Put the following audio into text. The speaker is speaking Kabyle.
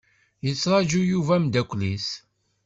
Yettraju Yuba ameddakel-is.